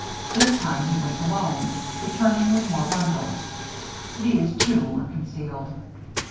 This time, he went alone; returning with more bundles. These, too, were concealed.